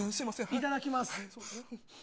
いただきます。